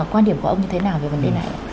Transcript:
quan điểm của ông như thế nào về vấn đề này